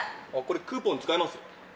あっこれクーポン使えます？